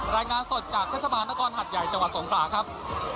รายงานสดจากเทศบาลนครหัดใหญ่จังหวัดสงขลาครับ